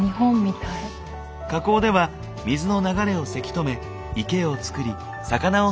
河口では水の流れをせき止め池をつくり魚を育てていた。